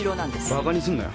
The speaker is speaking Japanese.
バカにすんなよ。